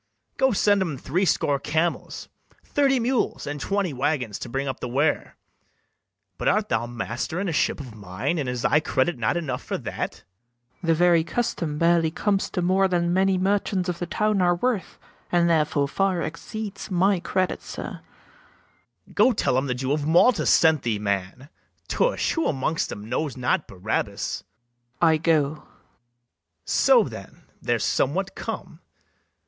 Go send 'em threescore camels, thirty mules, And twenty waggons, to bring up the ware. But art thou master in a ship of mine, And is thy credit not enough for that? MERCHANT. The very custom barely comes to more Than many merchants of the town are worth, And therefore far exceeds my credit, sir. BARABAS. Go tell 'em the Jew of Malta sent thee, man: Tush, who amongst 'em knows not Barabas? MERCHANT. I go. BARABAS. So, then, there's somewhat come.